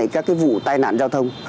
các cái vụ tai nạn giao thông